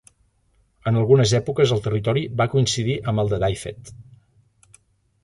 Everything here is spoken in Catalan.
En algunes èpoques el territori va coincidir amb el de Dyfed.